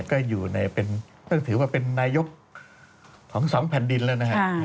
เตะปะยุทธ์ก็อยู่ในเป็นต้องถือว่าเป็นนายกของสองแผ่นดินแล้วนะครับ